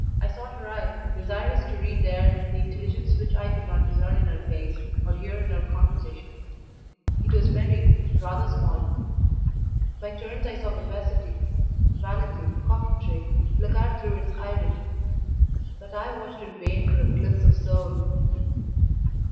I sought her eye, desirous to read there the intelligence which I could not discern in her face or hear in her conversation; it was merry, rather small; by turns I saw vivacity, vanity, coquetry, look out through its irid, but I watched in vain for a glimpse of soul.